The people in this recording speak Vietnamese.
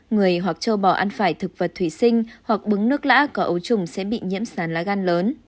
người hoặc châu bò ăn phải thực vật thủy sinh hoặc bứng nước lá có ấu trùng sẽ bị nhiễm sán lá gan lớn